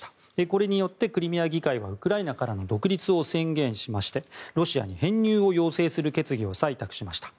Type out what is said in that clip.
これによってクリミア議会はウクライナからの独立を宣言しましてロシアに編入を要請する決議を採択しました。